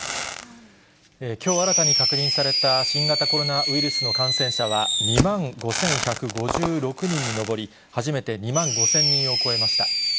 きょう、新たに確認された新型コロナウイルスの感染者は２万５１５６人に上り、初めて２万５０００人を超えました。